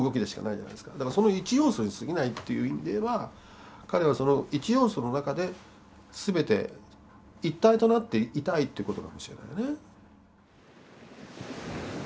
だからその一要素にすぎないっていう意味で言えば彼はその一要素の中で全て一体となっていたいっていうことかもしれないね。